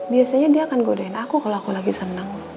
biasanya dia akan godain aku kalo aku lagi bisa menang